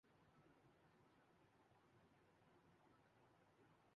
دیگر شہروں میں بھی یہی صورت حال ہے۔